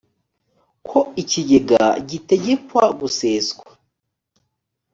ko ikigega gitegekwa guseswa